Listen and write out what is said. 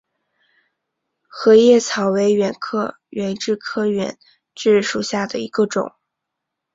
合叶草为远志科远志属下的一个种。